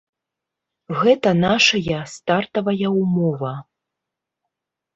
Гэта нашая стартавая ўмова.